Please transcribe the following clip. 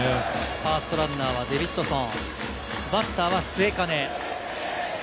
ファーストランナーはデビッドソン、バッターは末包。